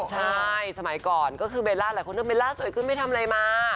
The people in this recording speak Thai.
ใช่สมัยก่อนก็คือเบลล่าหลายคนก็เบลล่าสวยขึ้นไม่ทำอะไรมา